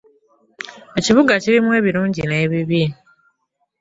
Ekibuga kirimu ebirungi n'ebibi.